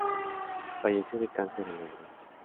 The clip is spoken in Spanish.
Falleció de cáncer en Londres.